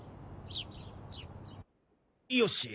よし。